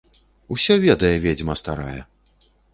Усё ведае ведзьма старая.